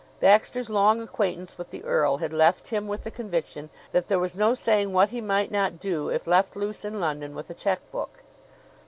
Baxter's long acquaintance with the earl had left him with the conviction that there was no saying what he might not do if left loose in London with a check book.